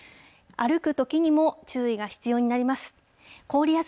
歩くときにも注意が必要になります。